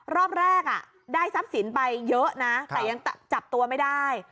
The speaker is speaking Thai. รอบแรกได้ทรัพย์สินไปเยอะนะแต่ยังจับตัวไม่ได้